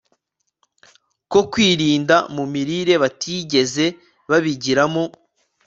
ko kwirinda mu mirire batigeze babigiramo